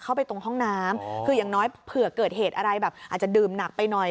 เข้าไปตรงห้องน้ำคืออย่างน้อยเผื่อเกิดเหตุอะไรแบบอาจจะดื่มหนักไปหน่อย